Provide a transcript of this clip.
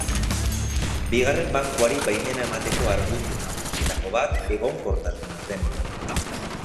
Bigarren Bankuari baimena emateko argudio nagusietako bat egonkortasuna zen.